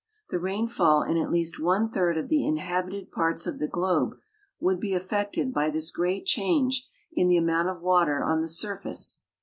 The rainfall in at least one third of the inhabited parts of the globe would be affected by this great change in the amount of water on the surface.